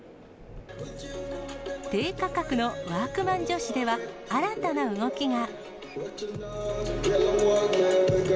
低価格のワークマン女子では、新たな動きが。